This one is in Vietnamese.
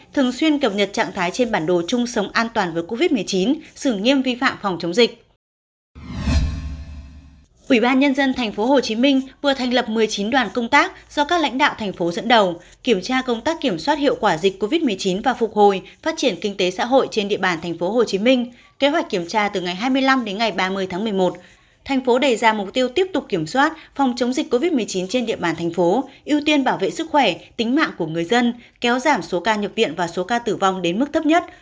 thành phố đề ra mục tiêu tiếp tục kiểm soát phòng chống dịch covid một mươi chín trên địa bàn thành phố ưu tiên bảo vệ sức khỏe tính mạng của người dân kéo giảm số ca nhập viện và số ca tử vong đến mức thấp nhất